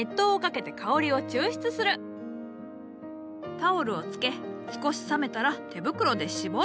タオルをつけ少し冷めたら手袋で絞る。